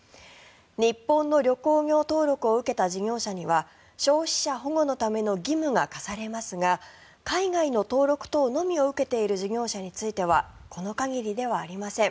日本の旅行業登録を受けた事業者には消費者保護のための義務が課されますが海外の登録等のみを受けている事業者についてはこの限りではありません。